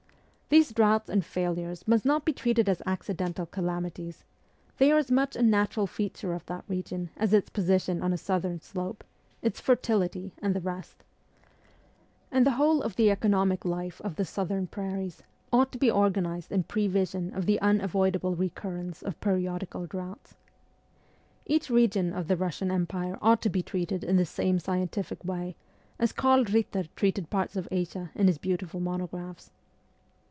These droughts and failures must not be treated as accidental calamities : they are as much a natural feature of that region as its position on a southern slope, its fertility, and the rest ; and the whole of the economic life of the southern prairies ought to be organized in prevision of the unavoidable recurrence of periodical droughts. Each region of the Russian Empire ought to be treated in the same scientific way, as Karl Bitter treated parts of Asia in his beautiful monographs.